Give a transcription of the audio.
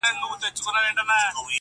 • له کوهي د منګوټیو را ایستل وه -